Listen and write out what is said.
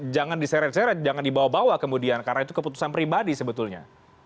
jangan diseret seret jangan dibawa bawa kemudian karena itu keputusan pribadi sebetulnya